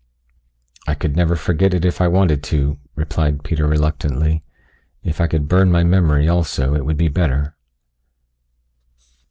"I could never forget it if I wanted to," replied Peter reluctantly. "If I could burn my memory also it would be better."